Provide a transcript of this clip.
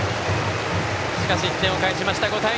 しかし、１点を返しました５対２。